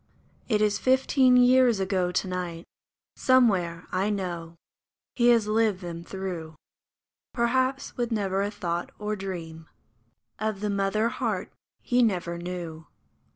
It is fifteen years ago to night ; Somewhere, I know, he has lived them through, Perhaps with never a thought or dream Of the mother heart he never knew